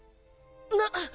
なっ！？